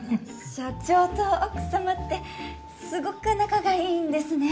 社長と奥様ってすごく仲がいいんですね。